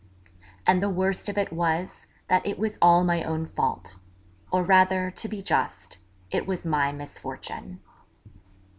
And the worst of it was, that it was all my own fault; or rather, to be just, it was my misfortune.